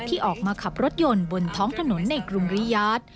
ที่ออกมาขับรถยนต์บนท้องถนนในกรุงริยาท